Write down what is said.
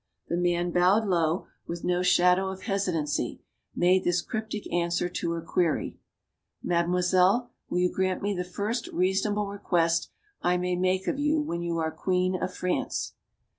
The man bowed low, with no shadow of hesitancy, made this cryptic answer to her query: "Mademoiselle, will you grant me the first reason able request I may make of you when you are Queen of France?"